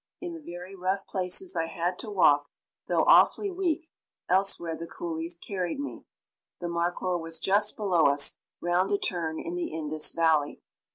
In the very rough places I had to walk, though awfully weak; elsewhere the coolies carried me. The markhoor was just below us, round a turn in the Indus Valley.